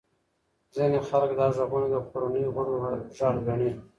ځینې خلک دا غږونه د کورنۍ غړو غږ ګڼي.